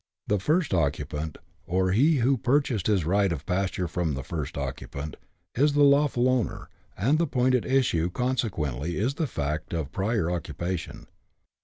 The first occupant, or he who purchased his right of pasture from the first occupant, is the lawful owner, and the point at issue consequently is the fact of prior occupation.